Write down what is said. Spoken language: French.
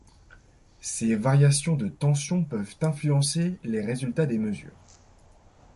Ces variations de tension peuvent influencer les résultats des mesures.